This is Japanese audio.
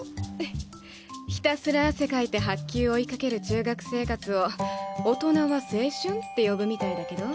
ひたすら汗かいて白球追いかける中学生活を大人は「青春」って呼ぶみたいだけど？